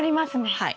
はい。